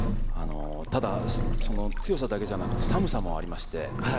ただ、その強さだけじゃなくて、寒さもありまして。